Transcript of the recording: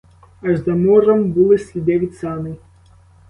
Аж за муром були сліди від саней.